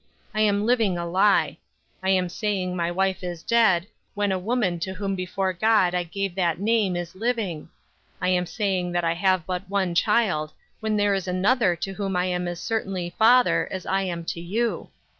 I am living a lie. I am saying my wife is dead, when a woman to whom before God I gave that name is living; I am saying that I have but one child, when there is another to whom I am as certainly father as I am to you.